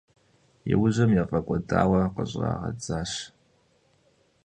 Иужьым яфӏэкӏуэдауэ къыщӏрагъэдзащ.